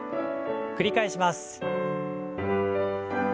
繰り返します。